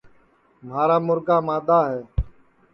مھارا مُرگا مادؔا ہے